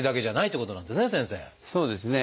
そうですね。